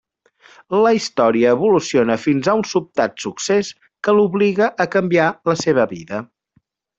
La història evoluciona fins a un sobtat succés que l'obliga a canviar la seva vida.